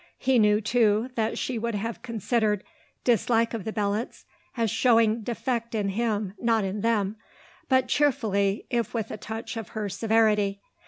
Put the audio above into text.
He knew, too, that she would have considered dislike of the Belots as showing defect in him not in them, but cheerfully, if with a touch of her severity.